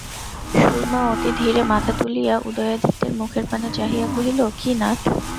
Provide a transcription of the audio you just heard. সুরমা অতি ধীরে মাথা তুলিয়া উদয়াদিত্যের মুখের পানে চাহিয়া কহিল, কী নাথ।